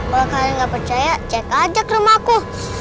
kalau kalian nggak percaya cek aja ke rumah aku